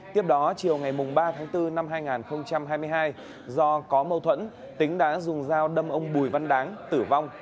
tiếp đó chiều ngày ba tháng bốn năm hai nghìn hai mươi hai do có mâu thuẫn tính đã dùng dao đâm ông bùi văn đáng tử vong